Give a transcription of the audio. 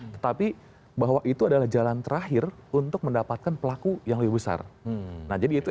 tetapi bahwa itu adalah jalan terakhir untuk mendapatkan pelaku yang lebih besar nah jadi itu